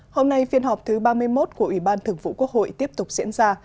hôm nay phiên họp thứ ba mươi một của ủy ban thường vụ quốc hội tiếp tục diễn ra